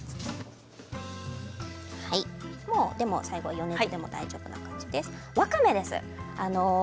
もう最後、余熱でも大丈夫な感じです。